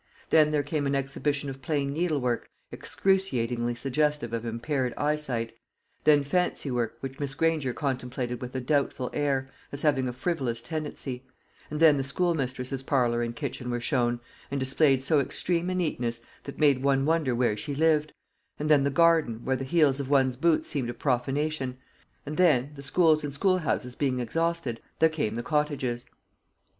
Then there came an exhibition of plain needlework, excruciatingly suggestive of impaired eyesight; then fancy work, which Miss Granger contemplated with a doubtful air, as having a frivolous tendency; and then the school mistress's parlour and kitchen were shown, and displayed so extreme a neatness that made one wonder where she lived; and then the garden, where the heels of one's boots seemed a profanation; and then, the schools and schoolhouses being exhausted, there came the cottages.